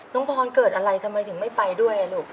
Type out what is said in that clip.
น้องพรเกิดอะไรทำไมถึงไม่ไปด้วยลูก